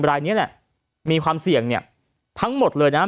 รายนี้แหละมีความเสี่ยงเนี่ยทั้งหมดเลยนะ